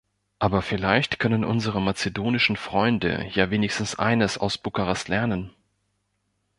Aber vielleicht können unsere mazedonischen Freunde ja wenigstens eines aus Bukarest lernen.